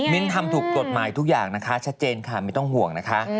ทำถูกกฎหมายทุกอย่างนะคะชัดเจนค่ะไม่ต้องห่วงนะคะ